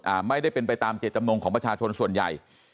ไม่ได้เป็นไปตามเจตจำนงของประชาชนส่วนใหญ่